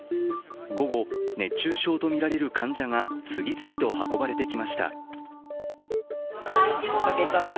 午後、熱中症とみられる患者が次々と運ばれてきました。